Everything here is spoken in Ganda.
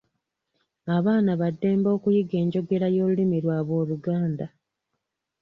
Abaana ba ddembe okuyiga enjogera y’olulimi lwabwe Oluganda.